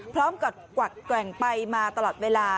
พร้อมกับกวักแกว่งไปมาตลอดเวลา